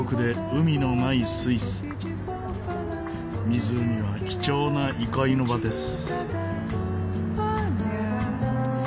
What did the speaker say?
湖は貴重な憩いの場です。